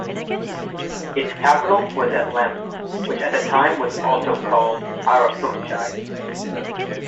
Its capital was at Lamphun, which at the time was also called Hariphunchai.